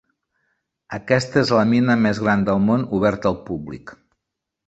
Aquesta és la mina més gran del món oberta al públic.